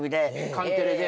関テレで。